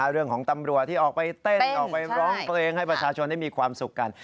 เรื่องของตำรวจที่ออกไปเต้นออกไปร้องเพลงให้ประชาชนได้มีความสุขกัน